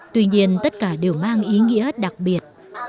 tuy nhiên tất cả đều mang ý nghĩa đặc biệt